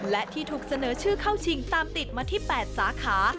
และที่ถูกเสนอชื่อเข้าชิงตามติดมาที่๘สาขา